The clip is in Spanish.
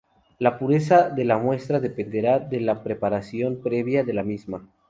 La pureza de la muestra dependerá de la preparación previa de la misma.